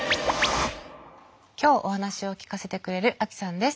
今日お話を聞かせてくれるアキさんです。